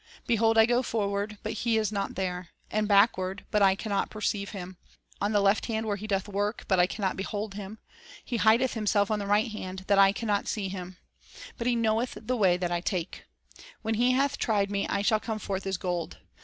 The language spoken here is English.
. Behold, I go forward, but He is not there; And backward, but I can not perceive Him; On the left hand, where He doth work, but I can not behold Him ; He hideth Himself on the right hand, that I can not see Him; But He knoweth the way that I take ; When He hath tried me, I shall come forth as gold."